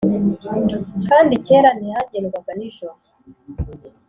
kandi kera ntihagendwaga ninjoro,